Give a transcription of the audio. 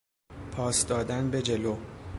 پاس دادن به جلو